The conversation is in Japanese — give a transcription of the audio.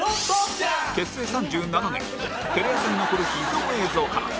結成３７年テレ朝に残る秘蔵映像から